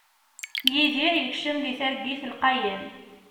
Yidir yekcem di targit lqayen.